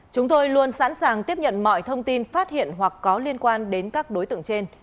chúng tôi luôn sẵn sàng tiếp nhận mọi thông tin phát hiện hoặc có liên quan đến các đối tượng trên